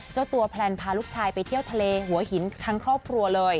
เจ้าตัวแพลนพาลูกชายไปเที่ยวทะเลหัวหินทั้งครอบครัวเลย